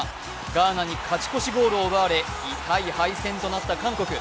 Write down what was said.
ガーナに勝ち越しゴールを奪われ痛い敗戦となった韓国。